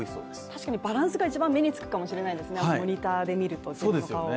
確かにバランスが一番目につくかもしれないですね、自分の顔をモニターで見ると。